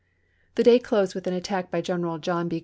The day closed with an attack by General John B.